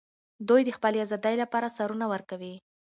دوی د خپلې ازادۍ لپاره سرونه ورکوي.